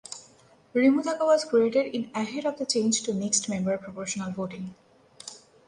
Rimutaka was created in ahead of the change to Mixed Member Proportional voting.